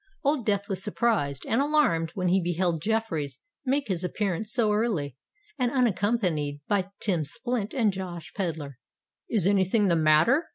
Old Death was surprised and alarmed when he beheld Jeffreys make his appearance so early, and unaccompanied by Tim Splint and Josh Pedler. "Is any thing the matter?"